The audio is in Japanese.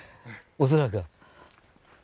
恐らく。